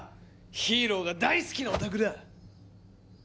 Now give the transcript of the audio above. ヒーローが大好きなオタクだ！